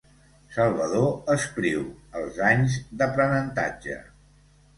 Salvador Espriu, els anys d'aprenentatge.